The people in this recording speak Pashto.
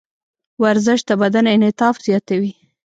ورزش د بدن انعطاف زیاتوي.